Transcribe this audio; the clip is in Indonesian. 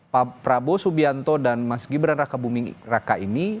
pak prabowo subianto dan mas gibran raka buming raka ini